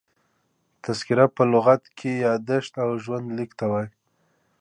تذکره په لغت کښي یاداشت او ژوند لیک ته وايي.